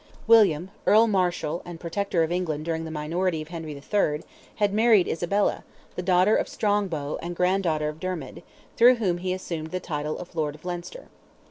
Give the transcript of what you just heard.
William, Earl Marshal and Protector of England during the minority of Henry III., had married Isabella, the daughter of Strongbow and granddaughter of Dermid, through whom he assumed the title of Lord of Leinster.